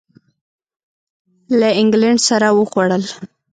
له اینګلینډ سره وخوړل.